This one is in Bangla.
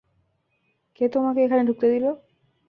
কে তোমাকে এখানে ঢুকতে দিলো?